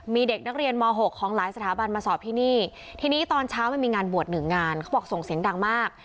มีเด็กนักเรียนม๖ของหลายสถาบันมาสอบที่นี่ทีนี้ตอนเช้ามันมีงานบวชหนึ่งงานเขาบอกส่งเสียงดังมาก